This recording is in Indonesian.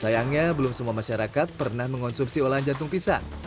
sayangnya belum semua masyarakat pernah mengonsumsi olahan jantung pisang